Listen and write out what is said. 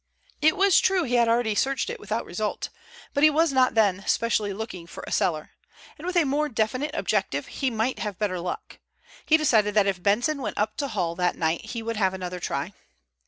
It was true he had already searched it without result, but he was not then specially looking for a cellar, and with a more definite objective he might have better luck. He decided that if Benson went up to Hull that night he would have another try.